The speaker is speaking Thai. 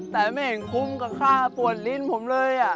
แต่ไม่เห็นคุ้มกับค่าปวดลิ้นผมเลย